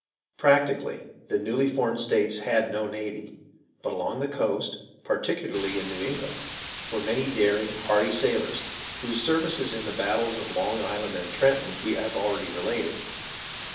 Practically the newly formed states had no navy; but along the coast, particularly in New England, were many daring, hardy sailors, whose services in the battles of Long Island and Trenton we have already related.